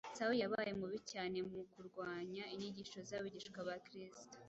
Sawuli yabaye mubi cyane mu kurwanya inyigisho z’abigishwa ba Kristo.